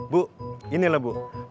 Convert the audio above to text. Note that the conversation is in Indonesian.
bu ini lah bu